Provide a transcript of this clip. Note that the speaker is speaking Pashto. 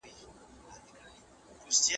کمپيوټر تخفيفونه ښيي.